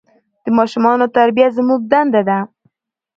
د ماشومان تربیه زموږ دنده ده.